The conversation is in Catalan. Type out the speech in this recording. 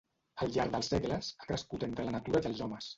Al llarg dels segles ha crescut entre la natura i els homes.